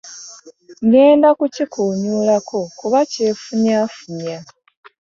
Ŋŋenda kukikuunyuulako kuba kyefunyaafunya.